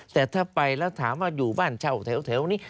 แต่ถ้าไปแล้วถามว่าอยู่บ้านเช่าแถวนี้